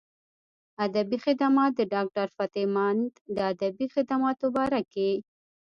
ادبي خدمات د ډاکټر فتح مند د ادبي خدماتو باره کښې